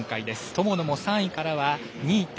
友野も３位からは２．３７。